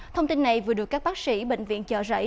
thông tin này vừa được các bác sĩ bệnh viện chợ rẫy